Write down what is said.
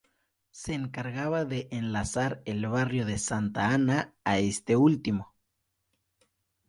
Se encargaba de enlazar el barrio de Santa Ana a este último.